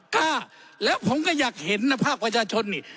กล้าแล้วผมก็อยากเห็นนะภาคประชาชนนี่